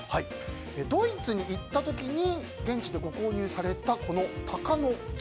ドイツに行った時に現地でご購入されたこのタカの像。